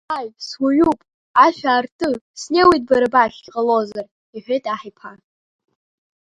Ааи суаҩуп, ашә аарты, снеиуеит бара бахь, иҟалозар, — иҳәеит аҳ иԥа.